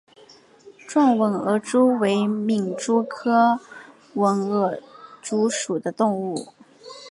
壮吻额蛛为皿蛛科吻额蛛属的动物。